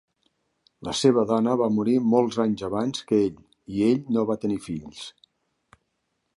La seva dona va morir molts anys abans que ell i ell no va tenir fills.